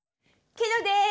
ケロです！